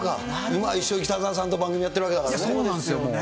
今、一緒に北澤さんと番組やっているわけだからね。